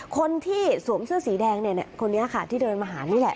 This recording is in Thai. คนที่สวมเสื้อสีแดงเนี่ยคนนี้ค่ะที่เดินมาหานี่แหละ